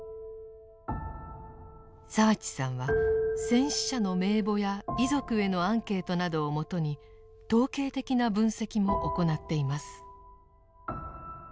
澤地さんは戦死者の名簿や遺族へのアンケートなどをもとに統計的な分析も行っています。